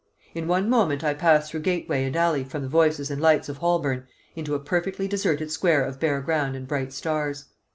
In one moment I passed through gateway and alley from the voices and lights of Holborn into a perfectly deserted square of bare ground and bright stars.